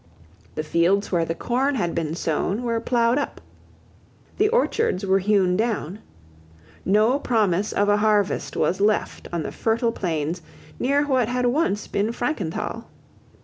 The fields where the corn had been sown were ploughed up. The orchards were hewn down. No promise of a harvest was left on the fertile plains near what had once been Frankenthal.